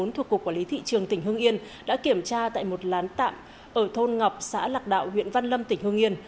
thuộc cục quản lý thị trường tỉnh hương yên đã kiểm tra tại một lán tạm ở thôn ngọc xã lạc đạo huyện văn lâm tỉnh hương yên